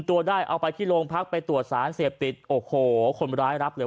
ตัวได้เอาไปที่โรงพักไปตรวจสารเสพติดโอ้โหคนร้ายรับเลย